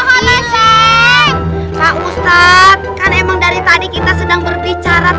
bapak ustadz lilith ketinggalan ustadz